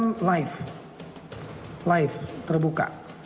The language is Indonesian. bukan live live terbuka